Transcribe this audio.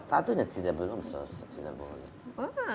tattoo nya tidak belum selesai tidak boleh